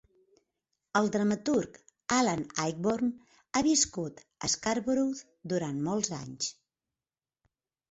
El dramaturg Alan Ayckbourn ha viscut a Scarborough durant molts anys.